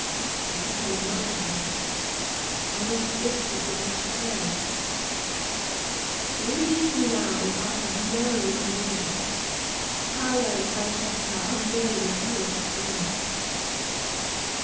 Because I love you, and insisted that you should know. You leave me now, and I have no illusions. Paolo and Francesca are merely a poet's dream.